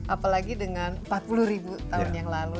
apalagi dengan empat puluh ribu tahun yang lalu